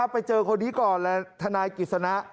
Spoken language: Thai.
ไปเจอคนนี้ก่อนเลยทนายกิจสนะ